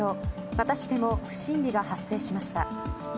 またしても不審火が発生しました。